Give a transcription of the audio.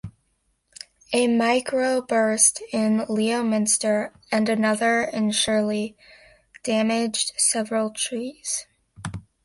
A microburst in Leominster and another in Shirley damaged several trees.